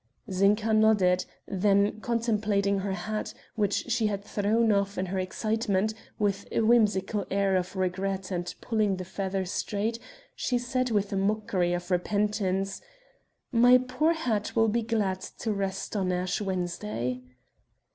Zinka nodded; then, contemplating her hat, which she had thrown off in her excitement, with a whimsical air of regret and pulling the feather straight she said with a mockery of repentance: "My poor hat will be glad to rest on Ash Wednesday."